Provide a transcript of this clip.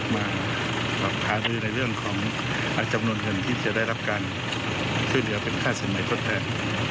มาหารือในเรื่องของจำนวนเงินที่จะได้รับการช่วยเหลือเป็นค่าสินใหม่ทดแทน